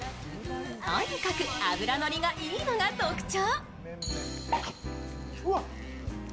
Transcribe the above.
とにかく脂のりがいいのが特徴。